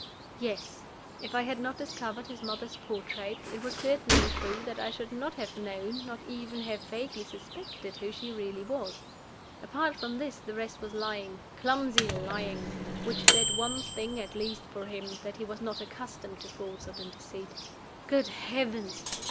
Yes! If I had not discovered his mother's portrait, it was certainly true that I should not have known, not even have vaguely suspected, who she really was. Apart from this, the rest was lying, clumsy lying, which said one thing at least for him, that he was not accustomed to falsehood and deceit. Good Heavens!